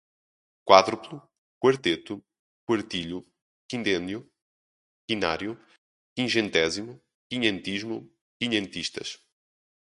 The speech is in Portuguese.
quádruplo, quarteto, quartilho, quindênio, quinário, quingentésimo, quinhentismo, quinhentistas